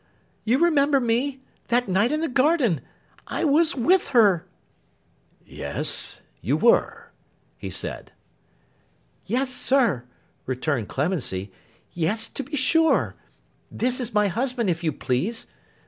You remember me, that night in the garden. I was with her!' 'Yes. You were,' he said. 'Yes, sir,' returned Clemency. 'Yes, to be sure. This is my husband, if you please.